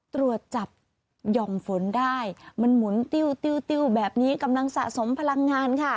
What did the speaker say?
ตรวจจับหย่อมฝนได้มันหมุนติ้วติ้วแบบนี้กำลังสะสมพลังงานค่ะ